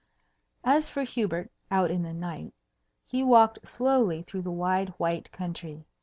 As for Hubert out in the night, he walked slowly through the wide white country.